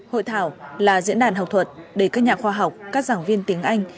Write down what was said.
đào tạo là diễn đàn học thuật để các nhà khoa học các giảng viên tiếng anh